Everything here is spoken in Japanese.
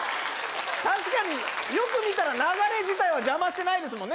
確かによく見たら流れ自体は邪魔してないですもんね